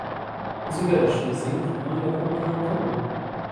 جگە لە شەمزین هەمووان لە کۆبوونەوەکە بوون.